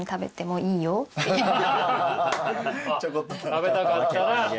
食べたかったら。